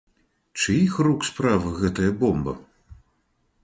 Чыіх рук справа гэтая бомба?